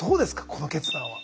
この決断は。